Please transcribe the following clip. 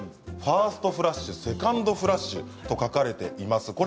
ファーストフラッシュセカンドフラッシュと書かれています。